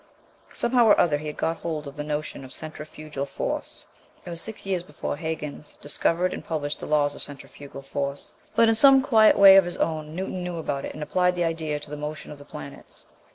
Somehow or other he had got hold of the notion of centrifugal force. It was six years before Huyghens discovered and published the laws of centrifugal force, but in some quiet way of his own Newton knew about it and applied the idea to the motion of the planets.